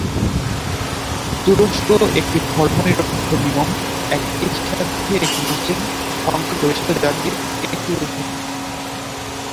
তুরস্ক একটি ধর্মনিরপেক্ষ নিয়ম একইসাথে একটি মুসলিম সংখ্যাগরিষ্ঠ জাতির একটি উদাহরণ।